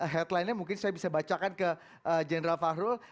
headlinenya mungkin saya bisa bacakan ke jendral fahru